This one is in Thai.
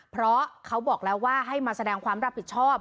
เพราะเขาบอกแล้วว่าให้มาแสดงความรับผิดชอบ